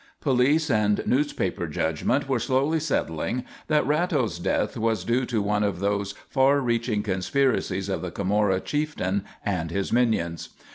Police and newspaper judgment were slowly settling that Ratto's death was due to one of those far reaching conspiracies of the Camorra chieftain and his minions.